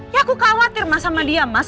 ya aku khawatir mas sama dia mas